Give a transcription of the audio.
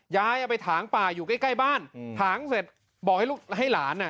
ยายเอาไปถางป่าอยู่ใกล้ใกล้บ้านถางเสร็จบอกให้ลูกให้หลานอ่ะ